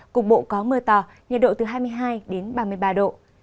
cục bộ có mưa to nhiệt độ từ hai mươi hai đến ba mươi ba độ